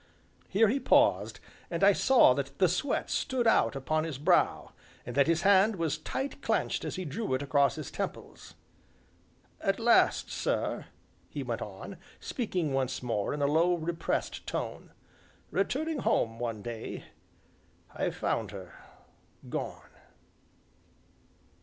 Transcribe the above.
Here he paused, and I saw that the sweat stood out upon his brow, and that his hand was tight clenched as he drew it across his temples. "At last, sir," he went on, speaking once more in a low, repressed tone, "returning home one day, I found her gone."